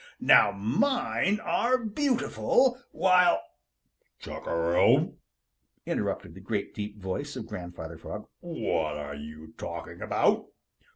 Now mine are beautiful, while " "Chug arum!" interrupted the great deep voice of Grandfather Frog. "What are you talking about?